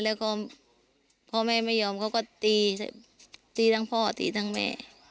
แล้วก็พ่อแม่ไม่ยอมเขาก็ตีตีทั้งพ่อตีทั้งแม่